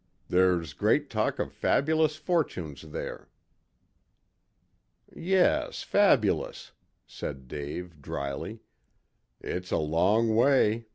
There's great talk of fabulous fortunes there." "Yes, fabulous," said Dave dryly. "It's a long way.